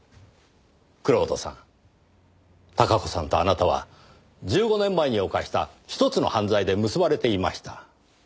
蔵人さん孝子さんとあなたは１５年前に犯した１つの犯罪で結ばれていました。